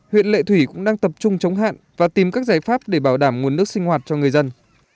huyện lệ thủy cũng đang tập trung chống hạn và tìm các giải pháp để bảo đảm nguồn nước sinh hoạt cho người dân